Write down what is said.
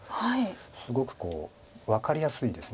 すごくこう分かりやすいです。